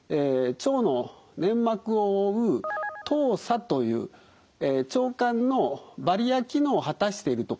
腸の粘膜を覆う糖鎖という腸管のバリア機能を果たしているところを食べてしまうと。